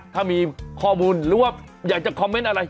ถ้ามีข้อมูลหรือว่าอยากจะคอมเมนต์อะไร